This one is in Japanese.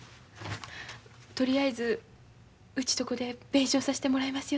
とりあえずうちとこで弁償さしてもらいます